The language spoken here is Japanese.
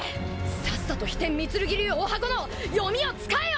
さっさと飛天御剣流おはこの読みを使えよ！